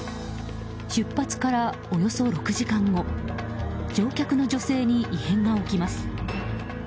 出発から、およそ６時間後乗客の女性に異変が起きます。